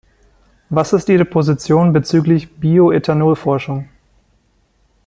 Was ist Ihre Position bezüglich Bioethanol-Forschung?